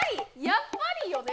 やっぱりよね！